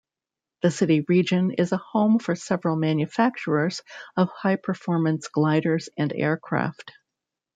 The city region is a home for several manufacturers of high-performance gliders and aircraft.